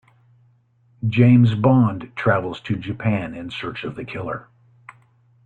James Bond travels to Japan in search of the killer.